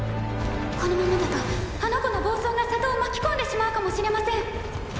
このままだとあの子の暴走が里を巻き込んでしまうかもしれません。